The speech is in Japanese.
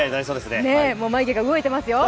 眉毛が動いていますよ。